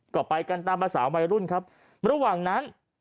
ก็ไปกันตามภาษาวัยรุ่นครับระหว่างนั้น